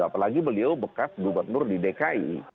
apalagi beliau bekas gubernur di dki